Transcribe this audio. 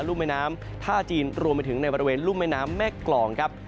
ุ่มแม่น้ำท่าจีนรวมไปถึงในบริเวณรุ่มแม่น้ำแม่กรองครับ